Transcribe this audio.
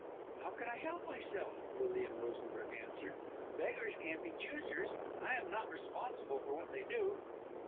"How can I help myself?" Lilian Rosenberg answered. "Beggars can't be choosers. I am not responsible for what they do."